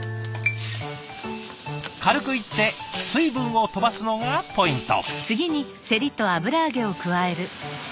軽く炒って水分を飛ばすのがポイント。